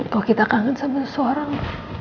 toh kita kangen sama seseorang